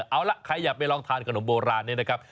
เอาล่ะใครอยากไปลองทานขนมโบราณนี้นะครับ